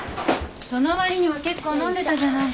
そのわりには結構飲んでたじゃない。